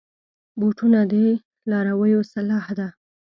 بوټونه د لارویو سلاح ده.